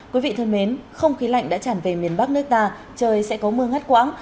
quý vị thân mến không khí lạnh đã tràn về miền bắc nước ta trời sẽ có mưa ngắt quãng